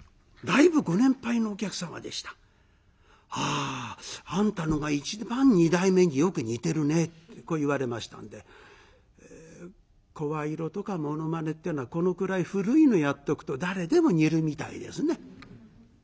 「ああんたのが一番二代目によく似てるね」ってこう言われましたので声色とかものまねっていうのはこのくらい古いのやっとくと誰でも似るみたいですね。